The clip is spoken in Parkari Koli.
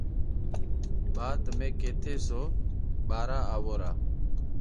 ٻا تمي ڪيٿئہ سو۔ ٻارا آوو را۔